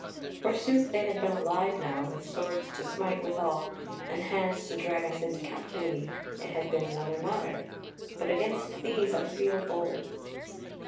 Forsooth had they been alive now, with swords to smite withal, and hands to drag us into captivity, it had been another matter: but against these I feel bold."